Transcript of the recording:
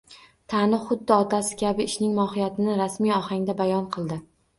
Tani xuddi otasi kabi ishning mohiyatini rasmiy ohangda bayon qildi